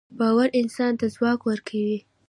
باورانسان ته ځواک ورکوي